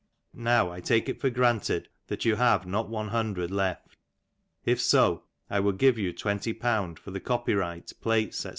Now I take it for granted that you have " not one hundred left ; if so, I will give you twenty pounds for the " copyright, plates, &c.